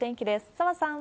澤さん。